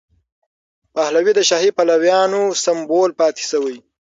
پهلوي د شاهي پلویانو سمبول پاتې شوی.